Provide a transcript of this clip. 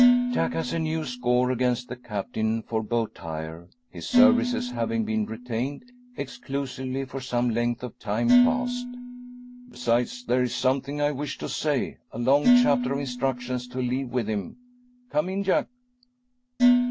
[Jack has a new score against the Captain for boat hire, his services having been retained, exclusively, for some length of time past.] "Besides there's something I wish to say a long chapter of instructions to leave with him. Come in, Jack!"